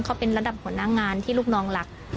เขาเป็นระดับหัวหน้างานที่ลูกน้องรัก